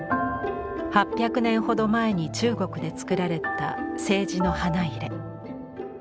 ８００年ほど前に中国でつくられた青磁の花入。